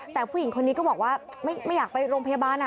แต่ผู้หญิงคนนี้ก็บอกว่าไม่อยากไปโรงพยาบาล